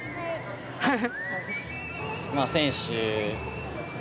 はい。